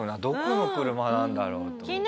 どこの車なんだろうと。